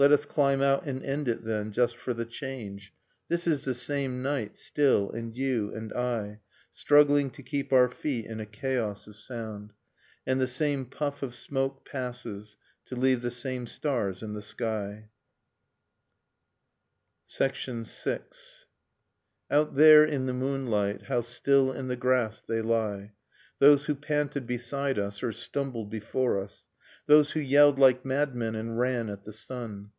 Let us climb out and end it, then. Just for the change. .. This is the same night, still, and you, and I, Struggling to keep our feet in a chaos of sound. And the same puff of smoke Passes, to leave the sam.e stars in the skv. VI. Out there, in the moonlight, How still in the grass they lie, Those who panted beside us, or stumbled before us, Those who yelled like madmen and ran at the sun.